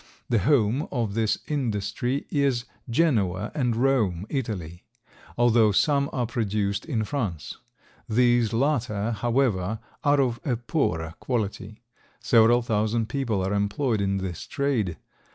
The home of this industry is Genoa and Rome, Italy, although some are produced in France; these latter, however, are of a poorer quality. Several thousand people are employed in this trade.